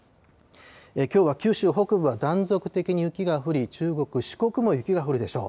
きょうは九州北部は断続的に雪が降り、中国、四国も雪が降るでしょう。